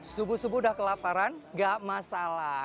subuh subuh sudah kelaparan tidak masalah